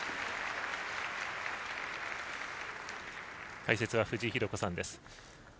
解説は藤井寛子さんです。